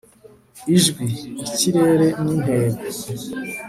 ijwi, ikirere n'intego